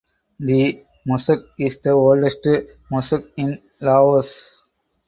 The mosque is the oldest mosque in Laos.